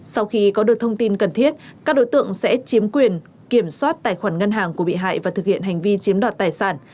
sau khi có được thông tin cần thiết các đối tượng sẽ chiếm quyền kiểm soát tài khoản ngân hàng của bị hại và thực hiện hành vi chiếm đoạt tài sản